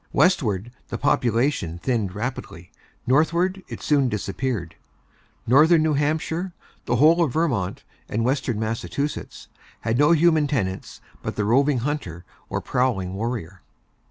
Westward, the population thinned rapidly; northward, it soon disappeared. Northern New Hampshire, the whole of Vermont, and Western Massachusetts had no human tenants but the roving hunter or prowling warrior.